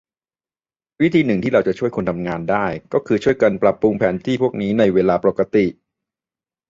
วิธีหนึ่งที่เราจะช่วยคนทำงานได้ ก็คือช่วยกันปรับปรุงแผนที่พวกนี้ในเวลาปกติ